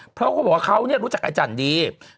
เพราะเขาบอกว่าเขารู้จักอาจารย์ดี